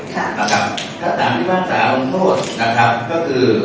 แต่ถ้าเราไม่มีสาธารณ์โทษก็คือ